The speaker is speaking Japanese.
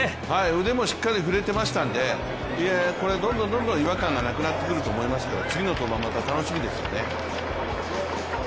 腕もしっかり振れてましたんで、これ、どんどん違和感がなくなってくると思いますから次の登板、また楽しみですよね。